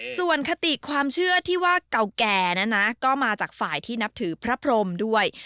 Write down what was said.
ส่วนคติความเชื่อที่ว่าเก่าแก่นะนะก็มาจากฝ่ายที่นับถือพระพรมด้วย